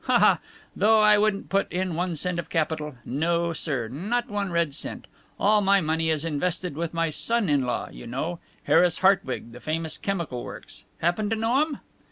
Ha, ha! Though I wouldn't put in one cent of capital. No, sir! Not one red cent. All my money is invested with my son in law you know, Harris Hartwig, the famous chemical works. Happen to know um?"